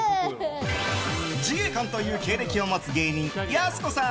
自衛官という経歴を持つ芸人やす子さん。